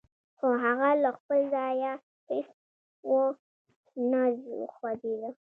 خو هغه له خپل ځايه هېڅ و نه خوځېده.